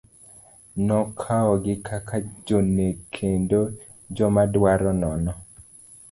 Nokawogi kaka jonek kendo jomadwaro nono.